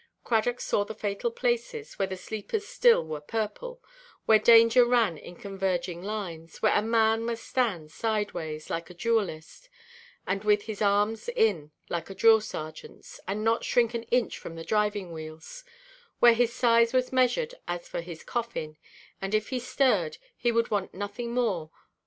Cradock saw the fatal places, where the sleepers still were purple, where danger ran in converging lines, where a man must stand sideways, like a duellist, and with his arms in like a drill–sergeantʼs, and not shrink an inch from the driving–wheels; where his size was measured as for his coffin, and if he stirred he would want nothing more.